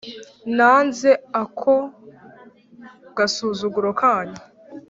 Nanze ako gasuzuguro kanyu